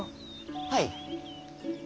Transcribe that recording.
はい？